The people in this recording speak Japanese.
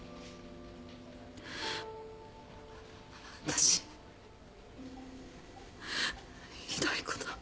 私ひどいことを。